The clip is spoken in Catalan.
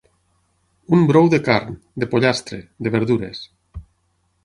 Un brou de carn, de pollastre, de verdures.